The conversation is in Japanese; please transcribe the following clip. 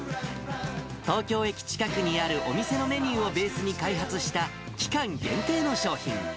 東京駅近くにあるお店のメニューをベースに開発した期間限定の商品。